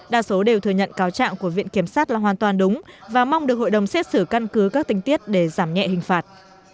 đa số đều thừa nhận cáo trạng của viện kiểm sát là hoàn toàn đúng và mong được hội đồng xét xử căn cứ các tình tiết để giảm nhẹ hình phạt